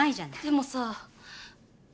でもさ。